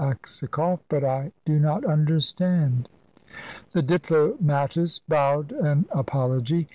Aksakoff, but I do not understand." The diplomatist bowed an apology.